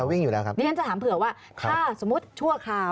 นี่อย่างนั้นจะถามเผื่อว่าถ้าสมมติชั่วคราว